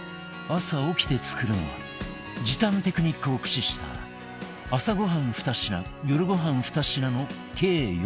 朝起きて作るのは時短テクニックを駆使した朝ごはん２品夜ごはん２品の計４品